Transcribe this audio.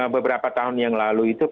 beberapa tahun yang lalu itu